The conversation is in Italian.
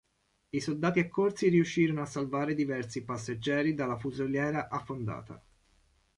I soldati accorsi riuscirono a salvare diversi passeggeri dalla fusoliera affondata.